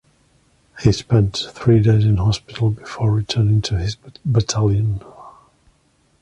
He spent three days in hospital before returning to his battalion.